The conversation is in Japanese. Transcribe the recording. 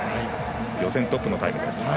予選トップのタイム。